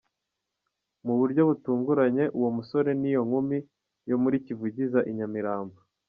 Mu buryo butunguranye, uwo musore n’iyo nkumi yo muri Kivugiza iNyamirambo, .